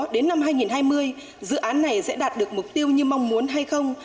đến năm hai nghìn hai mươi dự án này sẽ đạt được mục tiêu như mong muốn hay không